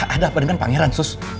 ada apa dengan pangeran sus